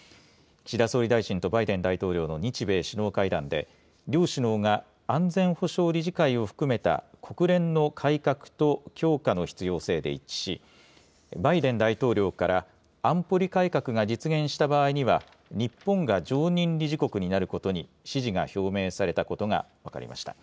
岸田総理大臣とバイデン大統領の日米首脳会談で、両首脳が安全保障理事会を含めた国連の改革と強化の必要性で一致し、バイデン大統領から、安保理改革が実現した場合には、日本が常任理事国になることに支持が表明されたことが分かりました。